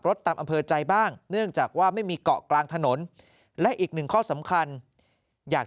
ตามอำเภอใจบ้างเนื่องจากว่าไม่มีเกาะกลางถนนและอีกหนึ่งข้อสำคัญอยาก